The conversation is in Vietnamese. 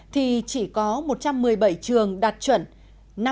thì chỉ có một trăm một mươi bảy trường đạt chuẩn